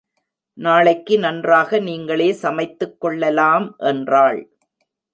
நாளைக்கு நன்றாக நீங்களே சமைத்துக் கொள்ளலாம் என்றாள்.